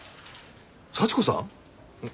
幸子さん？